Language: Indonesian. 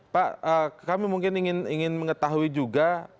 pak kami mungkin ingin mengetahui juga